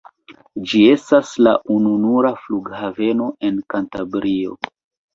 Ĝi estas la ununura flughaveno en Kantabrio.